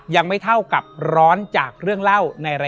และยินดีต้อนรับทุกท่านเข้าสู่เดือนพฤษภาคมครับ